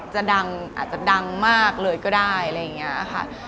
จะดังอาจจะดังมากเลยก็ได้อะไรอย่างนี้ค่ะ